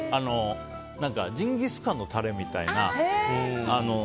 ジンギスカンのタレみたいな。